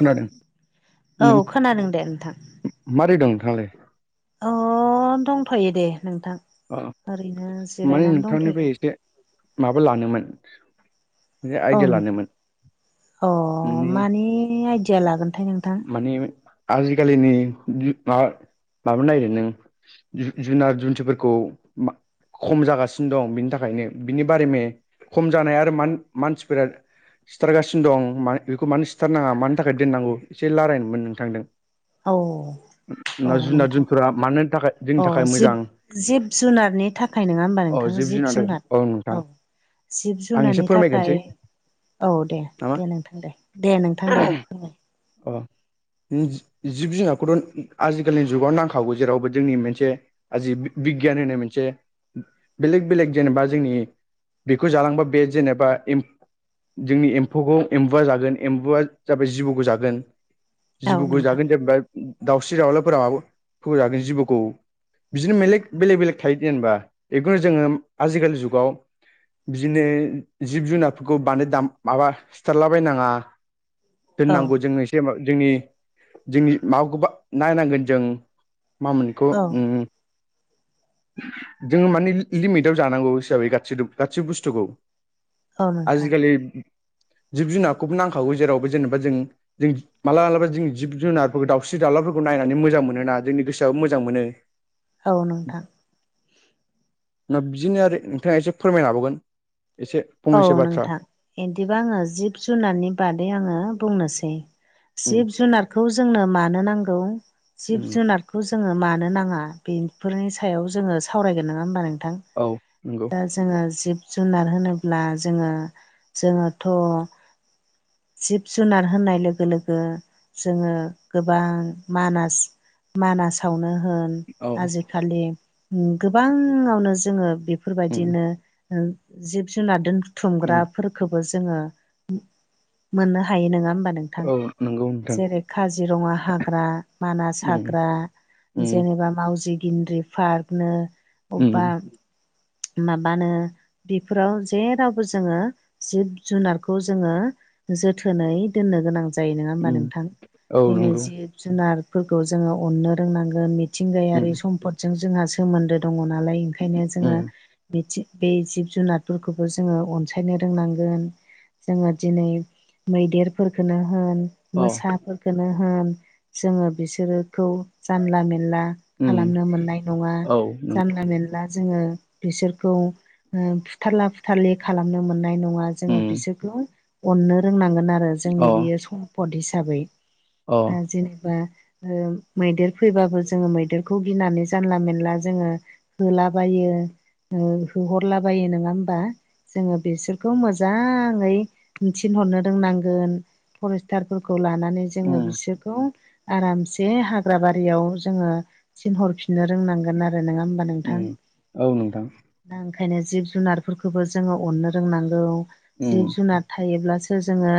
खोनादों औ नों खोनादों दे नोंथां मारै दं नोंथाङालाय? अ दंथ'यो दे नोंथां अ ओरैनो माने जिरायनानै नोंथांनिफ्राय दंथ'यो एसे माबा लानोमोन एसे औ आइडिया नोंथां लानोमोन अ नोंनि मानि आइडिया लागोनथाय नोंथां मानि आजिखालिनि [unintelligible] माबा माबानो नागिरो नों जुनार जुनथिफोरखौ मा खम जागासिनो दं बिनि थाखायनो बिनि बारै मे खम जानाय आरो मान-मानसिफोरा सिथारगासिनो दं मानो बेखौ मानो सिथारनाङा मानि थाखाय दोननांगौ एसे लारायनोमोन नोंथांदों औ औ उनाव जुनार नोंथां जुनफोरा मानो थाखाय जोंनि थाखाय औ मोजां जि-जिब जुनारनि था थाखाय नोङा होबमा नोंथां जिब जुनार औ जिब आं एसे जुनारनि फोरमायग्रोनोसै थाखाय औ दे नामा दे नोंथां दे दे नोंथां दे फैबाय अ जिब जुनारखौथ' आजिखालिनि जुगाव नांखागौ जेरावबो जोंनि मेनसे आ जिब बिगियान होननाय मोनसे बेलेग बेलेग जेनेबा जोंनि बेखौ जालांबा बे जेनेबा एम जोंनि एम्फौखौ एम्बुआ जागोन एम्बुआ जाबाय जिबौखौ जा गोन औ जिबौखौ नोंथां जागोन जेनबा दावस्रि दाउलाफोरा [unintelligible] जिबौखौ बिदिनो मेलेग बेलेग बेलेक थायोे जेनेबा बेखौनो जोङो आजिखालि जुगाव बिदिनो जिब जुनारफोरखौ बानो दा माबा सिथारलाबायनाङा औ दोननांगौ जों एसे जोंनि जोंनि माबाखौबा नायनांगोन जों मा मोनखो औ उम [inaudible] जोंङो मानि लिमिटाव जानांगौ हिसाबै गा गासै बुस्थुखौ औ नोंथां आजिखालि जिब जुनारखौबो नांखागौ जेरावबो जेनेबा जों जों माला मालाबाों जिब जुनारफोरखौ दाउस्रि दालाफोरखौ नायनानै मोजां मोनोना जोंनि गोसोआबो मोजां मोनो। औ नोंथां बिदिनो आरो नोंथांङा एसे फोरमाय लाबावगोन एसे औ फंनैसो बाथ्रा नोंथां बिदिबा आंङो जिब जुनारनि बादै आंङो बुंनोसै उम जिब जुनारखौ जोंनो मानो नांगौ जिब उम जुनार खौ जोंङो मानो नांङा बेफोरनि सायाव जोंङो सावरायगोन नंङा होमबा नोंथां औ नंगौ जोंङो जिब जुनार होनोब्ला जोंङो जोंङोथ' जिब जुनार होननाय लोगो लोगो जोंङो गोबां मानास मानासावनो होन औ आजिखालि गोबांङावनो जोंङो उम बेफोरबायदिनो जिब जुनार उम दोनथुमग्रा फोरखबो जोंङो मोननो हायो नंङा होमबा नों औ नंगौ नोंथां जेरै काजिरङा हाग्रा मानास उम हाग्रा उम जेनेबा मावजि ग्रिनारि पार्कनो अबेबा उम माबानो फोराव जेरावबो जोंङो जिब जुनारखौ जोंङो जोथोनै दोननो गोनां जायो। जायो नंङा होनबा उम नोंथां औ दिनै नंगौ जिब जुनारफोरखौ जोंङो अननो रोंनांगोन उम मिथिंगायारि सम्फदजों जोंहा सोमोन्दो दंङो नालाय ओंखायनो जोंङो उम मिथिं बे जिब जुनारफोरखौबो जोंङो अनसायनो रोंनांगोन जोंङो दिनै मैदेरफोरफोरखौनो होन अ मोसाफोरखौनो होन जोंङो बिसोरोखौ जानला मेनला उम खालामनो मोननाय नंङा औ नों जानला मोनेनला जोंङो बिसोरखौ फुथारला फुथारलि खालामनो मोननाय नंङा जोंङो उम बिसोरखौ अननो रोंनांगोन आरो जोंनि अ बेयो सम्पद हिसाबै अ दा जेनेबा मैदेर फैबाबो जोंङो मैदेरखौ गिनानै जानला मेनला जोंङो होलाबायो होहरलाबायो नोनो खालाम होमबा जोंङो बिसोरखौ मोजांङै थिनहरनो रोंनांगोन फरेस्टारफोरखौ लानानै जोंङो उम बिसोरखौ आरामसे हाग्रा बारियाव जोंङो थिनहरफिननो रोंनांगोन आरो नंङा होमबानो औ नोंथां दा ओंखायनो जिब जुनारफोरखौबो जोंङो अननो रोंनांगौ उम जिब जुनार थायोब्लासो जोंङो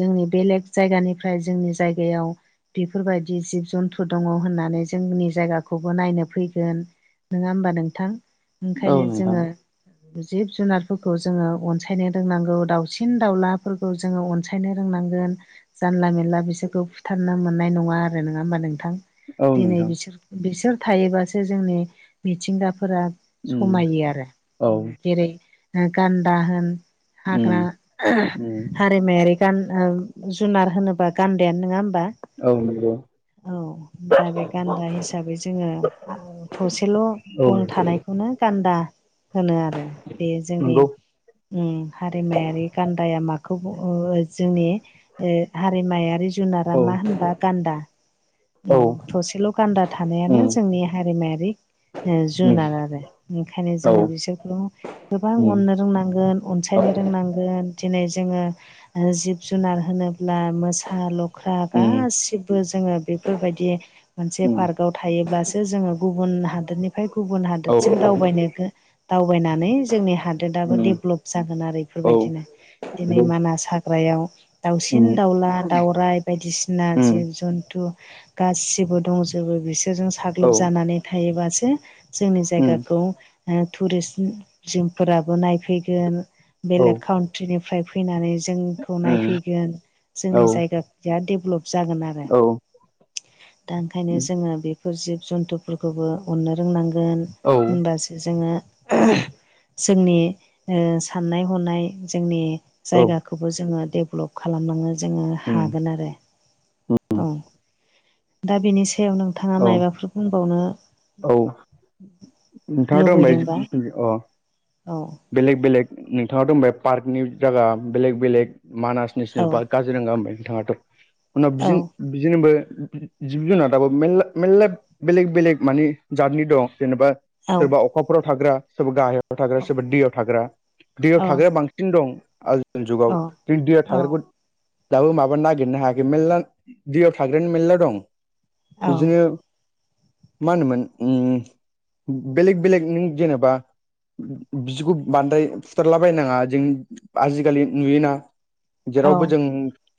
जोंनि बेलेग जायगानिफ्राय जोंनि जायगायाव बेफोरबायदि जिब जन्थु दंङो होननानै जोंनि जायगाखौबो नायनो फैगोन नंङा होमबा नोंथां औ ओंखायनो नोंथां जोंङो जिब जुनारफोरखौ जोंङो अनसायनो रोंनांगौ दाावसिन दाउलाफोरखौ जोंङो अनसाय फोथायनो रोंनांगोन जानला मेनला बिसोरखौ बुथारनो मोननाय नंङा आरो नंङा होमबा नोंथां औ दिनै नोंथां बिसोर बिसोर थायोबासो जोंनि मिथिंगाफोरा उम समायो आरो औ जेरै गान्दा होन उम हाग्रा उम हाग्रा [unintelligible] गान जुनार होनोबा गान्देानो नंङा होमबा औ नंगौ औ दा बे गान्दा हिसाबै जोंङो थसेल' औ गं थानाय खौनो गान्दा होनो आरो बे जोंनि नंगौ हारिमायारि गान्दाया माखौ जोंनि हारिमायारि जुनारा औ मा होनबा गान्दा औ थसेल' गान्दा उम थानायानो जोंनि हारिमायारि ओ उम जुनार आरो ओंखायनो औ जोङो बिसोरखौ गोबां उम अननो रोंनांगोन औ अनसायनो रोंनांगोन दिनै जोङो जिब जुनार होनोब्ला मोसा लख्रा उम गासिब जोङो बेफोरबायदि मोनसे उम पार्काव थायोब्लासो जोङो गुबुन हादोरनि फाय गुबुन औ उम हादोरसिम औ दावबायनो दावबायनानै जोंनि हा दोदाबो डेभलप जागोन आरो बेफोरबायदिनो दिनै नंगौ मानास हाग्रायाव दाउसिन उम दाउला दाउराइ बायदिसिना उम जिब जन्थु गासिबो दंजोबो बिसोरजों औ साग्लोब जानानै थायोबासो जोंनि उम जायगाखौ टुरिस्ट जिंफोराबो नायफैगोन। औ बेलेग काउन्ट्रिनिफ्राय फैनानै जोंखौ उम नायफैगोन औ जोंनि जायगा या डेभलप जागोन आरो। उम दा ओंखायनो जोङो बेफोर जिब जन्थुफोरखौबो अन्नो रोंनांगोन। औ होनबासो जोङो जोंनि ओ साननाय हनाय जोंनि औ जायगाखौबो जोङो डेभलप खालामलांनो जोङो उम हागोन आरो उम औ। दा बेनि सायाव नोंथाङा औ मायबाफोर बुंबावनो औ नोंथाङाथ' होनबाय लुबैदोंबा? अ औ बेलेग बेलेग नोंथाङाथ' बुंबाय पार्कनि जागा बेलेग बेलेग मानास औ नेसनेल पार्क काजिरङा होनबाय नोंथाङाथ' उनाव औ बिजों बिजों होनबा जिब जुनार दाबो मेरला मेल्ला बेलेग बेलेग मानि जातनि दं जेनेबा औ सोरबा अखाफोराव थाग्रा सोरबा गाहायाव थाग्रा सोरबा दैयाव थाग्रा। दैयाव औ थाग्राया बांसिन दं आज जुगाव। औ जों दैयाव थाग्राखौ दाबो माबा नागिरनो हायाखै मेल्ला दैयाव थाग्रानो मेल्ला दं। औ बिदिनो ओ मा होनोमोन उम बेलेग बेलेग नों जेनबा बिदिखौ बांद्राय फुथारलाबायनाङा जों आजिखालि नुयोना ओ जेरावबो जों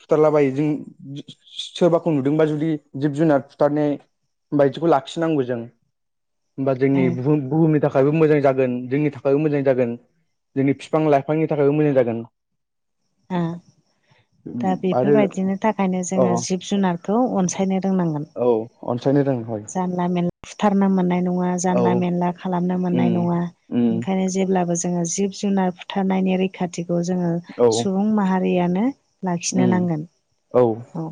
सुथारला बायो जों सोरबाखौ नुदोंबा जुदि जिब जुनार फुथारनाय बायदिखौ लाखिनांगौ जों। होमबा जोंनि बुहु-बुहुमनि थाखायबो मोजां जागोन जोंनि थाख मोजां जागोन जोंनि फिफां लाइफांनि थाखायबो मोजां जागोन। ओ दा आरो बेफोरबायदिनि थाखायनो अ जोङो जिब जुनारखौ अनसायनो रोंनांगोन औ अनसायनो रों हय जानला मेनला फुथारनो मोननाय नङा औ जानला मेनला खालामनो उम मोननाय नङा उम ओंखायनो जेब्लाबो जोङो जिब जुनार बुथारनायनि रैख रैखाथिखौ जोङो औ सुबुं माहारियानो लाखिनो उम नांगोन औ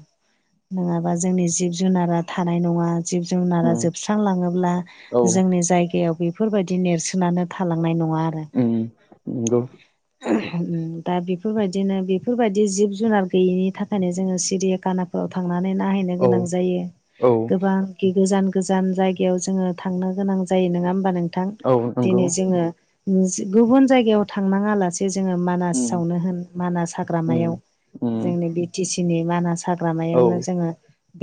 नोङाबा जोंनि जिब जुनारा थानाय नङा। जिब जुनारा उम जोबस्रांलाङोब्ला औ जोंनि जायगायाव बे बेफोरबायदि नेरसोनानो थालांनाय नङा आरो। ओम नंगौ। [inaudible] दा बेफोरबायदिनो बेफोरबायदि जिब जुनार गैयिनि थाखायनो जोङो सिरिया खाना फोराव थांनानै नायहैनो औ गोनां जायो औ गोबां बिदि गोजान गोजान जायगायाव जोङो थांनो गोनां जायो नोङा होमबा नों थां औ नंगौ दिनै जोङो गुबुन जायगायाव थांनाङा लासे जोङो उम मानासावनो होन मानास हाग्रामायाव उम उम जोंनि बि टि सि नि मानास औ हाग्रामायावनो जोङो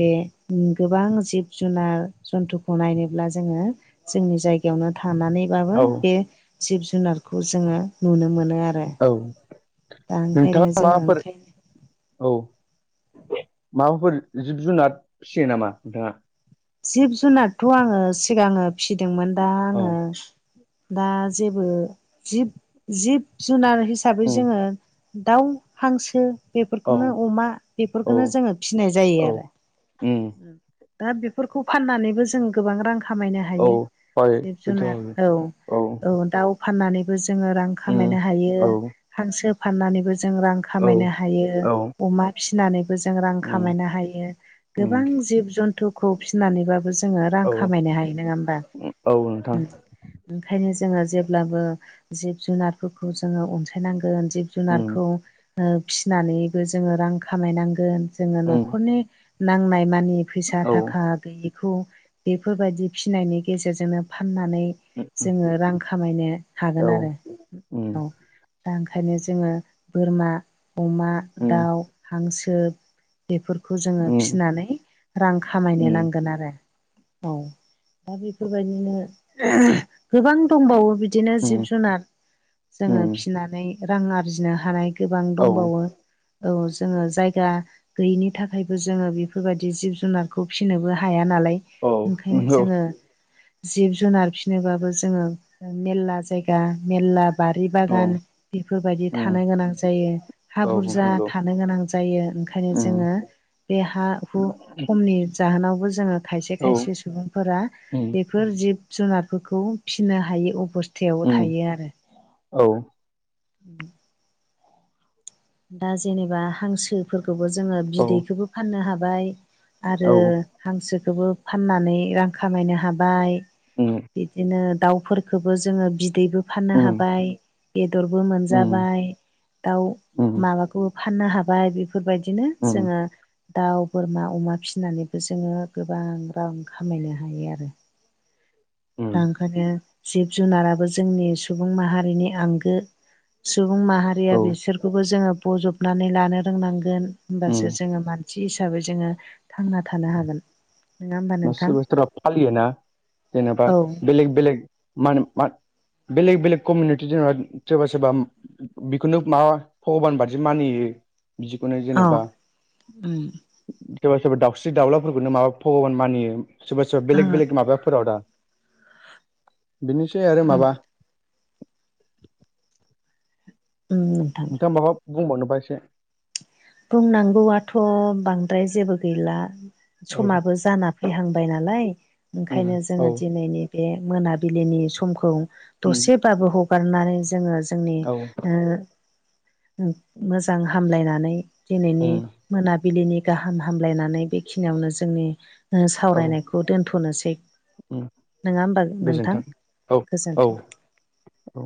बे गोबां जिब जुनार जन्थुखौ नायनोब्ला जोङो जोंनि जायगायावनो थानानैबाबो औ बे जिब जुनारखौ जोङो नुनो मोनो आरो। औ दा ओंखायनो नोंथाङा जोङो माबाफोर ओंखायनो औ माबाफोर जिब जुनाद फिसियो नामा नोंथाङा? जिब जुनारथ' आङो सिगाङो फिसिदोंमोन दा औ आङो दा जेबो जिब जिब जुनार हिसाबै उम जोङो दाउ हांसो औ बेफोरखौनो अमा औ बेफोरखौनो जोङो फिसिनाय जायो औ आरो उम दा बेफो फोरखौ फाननानैबो जों गोबां रां खामायनो औ हायो हय जिब बेथ' जुनार औ औ-औ दाउ फाननानैबो जोङो रां उम खामायनो हायो औ हांसो फाननानैबो जों रां औ खामायनो हायो औ अमा फिसिनानै बो जों रां उम खामायनो हायो उम गोबां जिब जुन्थुखौ फिसिनानैबाबो जों जोङो रां औ खामायनो हायो नङा होमबा औ नोंथां ओंखायनो जोङो जेब्लाबो जिब जुनारफोरखौ जोङो अनसायनांगोन जिब उम जुनारखौ फिनानैबो जोङो रां खामायनांगोन जोङो उम न'खरनि नांनाय मानि फैसा औ थाखा गैयिखौ बेफोरबायदि फिनायनि गेजेरजोंनो फाननानै उम जोङो रां खामायनो औ हागोन आरो औ उम दा ओंखायनो जोङो बोरमा अमा उम दाउ हांसो बेफोरखौ जोङो उम फिसिनानै रां खामायनो नां उम गोन आरो औ दा बेफोरबायदिनो गोबां दंबावो बि दिनो जिब उम जुनार जोङो उम फिसिनानै रां आरजिनो हानाय गोबां औ दंबावो औ जोङो जायगा गैयिनि थाखायबो जोङो बेफोरबायदि जिब जुनार बेखौ फिसिनोबो हाया नालाय औ ओंखायनो नंगौ जोङो जिब जुनार फिनोबाबो जोङो मेरला जायगा मेरला बारि औ बागान बेफोरबायदि उम थानो गोनां जायो हा औ बुरजा नंगौ थानो गोनां जायो ओंखायनो उम जोङो बे हा हु खमनि जाहोनावबो जोङो खायसे औ खायसे सुबुंफोरा उम बेफोर जिब जुनारफोरखौ फिसिनो हायै अबस थायाव उम थायो आरो औ दा जेनेबा हांसोफोरखौबो जोङो औ बिदैखौबो फाननो हाबाय आरो औ हांसोखौबो फाननानै रां खामायनो हाबाय उम बिदिनो दाउफोर खोबो जोङो बिदैबो फाननो उम हाबाय बेदरबो उम मोनजाबाय दाउ उम माबाखौ फाननो हाबाय बेफोरबायदिनो उम जोङो दाउ बोरमा अमा फिसिनानैबो जोङो गोबां रां खामायनो हायो आरो दा उम ओंखायनो जिब जुनाराबो जोंनि सुबुं माहारिनि आंगो सुबुं माहारिया औ बिसोरखौबो जोङो बजब नानै लानो रोंनांगोन उम होमबासो जोङो मानसि हिसाबै जोङो थांना थानो हागोन नङा होमबा नोंथां सोरबा फालियोना जेनेबा औ बेलेग बेलेग मा होन मा बेलेग बेलेग कमिउनिटि जेनेबा सोरबा सोरबा बेखौनो माबा भगबान बादि मानियो बिदिखौनो औ जेनेबा उम सोरबा सोरबा दाउस्रि दाउलाफोरखौनो माबा भग'बान मानि सोरबा सोरबा ओ बेलेग बेलेग माबाफोराव दा बेनोसै आरो माबा उम नोंथां नोंथाङा माबा बुंबावनोबा एसे बुंनांगौआथ' बांद्राय जेबो गैला औ समाबो जाना फैहांबाय नालाय उम ओंखायनो औ जोङो दिनैनि बे मोनाबिलिनि समखौ उम दसेबाबो हगारनानै जोङो जोंनि औ ओ मोजां हामलायनानै दिनैनि उम मोनाबिलिनि गाहाम हामलायनानै बेखिनियावनो जोंनि औ सावरायनाय खौ दोनथ'नोसै उम नङा होमबा नोंथां गोजोन्थों औ औ गोजोन्थों औ